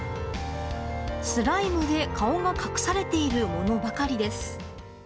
スライムで顔が隠されているものばかりです。